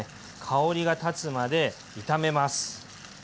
香りがたつまで炒めます。